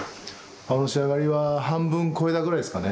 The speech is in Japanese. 顔の仕上がりは半分こえたぐらいですかね。